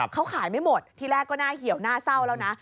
เขาขายไม่หมดที่แรกก็น่าเหี่ยวน่าเศร้าแล้วนะ